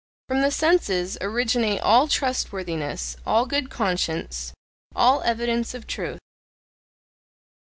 From the senses originate all trustworthiness, all good conscience, all evidence of truth.